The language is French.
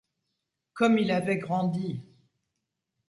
Comme il avait grandi !…